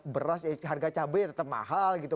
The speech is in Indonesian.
beras harga cabai tetap mahal gitu